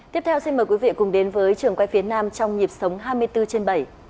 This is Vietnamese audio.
tiếp theo xin mời quý vị cùng đến với trường quay phía nam trong nhịp sống hai mươi bốn trên bảy